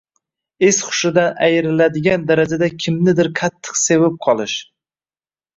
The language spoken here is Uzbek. es-hushidan ayriladigan darajada kimnidir qattiq sevib qolish.